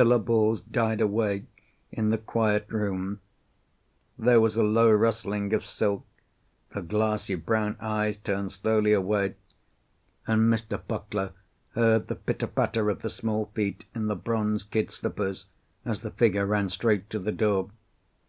The syllables died away in the quiet room. There was a low rustling of silk, the glassy brown eyes turned slowly away, and Mr. Puckler heard the pitter patter of the small feet in the bronze kid slippers as the figure ran straight to the door.